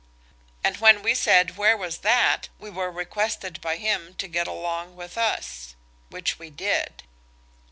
And when we said where was that we were requested by him to get along with us. Which we did.